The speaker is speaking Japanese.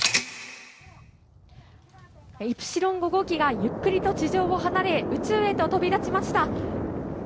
イプシロン５号機がゆっくりと地上を離れ、宇宙へと飛び出しました。